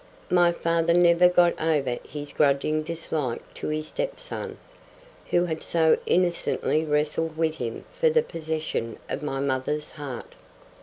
My father never got over his grudging dislike to his stepson, who had so innocently wrestled with him for the possession of my mother's heart.